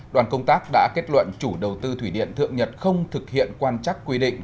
đoàn công tác đã kết luận chủ đầu tư thủy điện thượng nhật không thực hiện quan chắc quy định